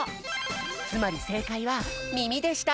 つまりせいかいは「みみ」でした！